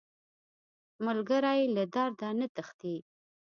ملګری له درده نه تښتي